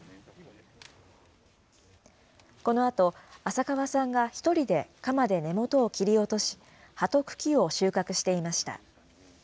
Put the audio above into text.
このあと、浅川さんが１人で鎌で根元を切り落とし、葉と茎を収穫していました。